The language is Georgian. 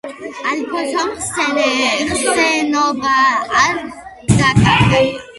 ალფონსომ მხნეობა არ დაკარგა.